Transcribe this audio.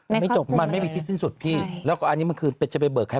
ไม่จบมันเลยใช่ใช่แล้วก็อันนี้มันคือเป็นเบอร์แค้น